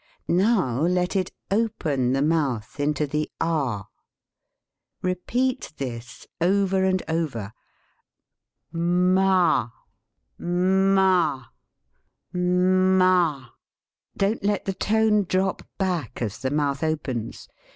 Now let it open the mouth into the ah. Repeat this over and over m ah, m ah, m ah. Don't let the tone drop back as the mouth opens.